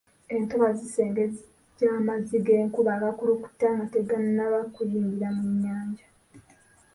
Entobazi zisengejja amazzi g’enkuba agakulukuta nga tegannaba kuyingira mu nnyanja.